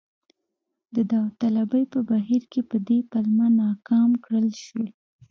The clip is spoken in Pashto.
د داوطلبۍ په بهیر کې په دې پلمه ناکام کړل شو.